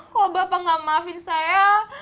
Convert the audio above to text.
kok bapak gak maafin saya